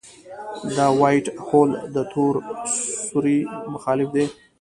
د وائټ هول د تور سوري مخالف دی.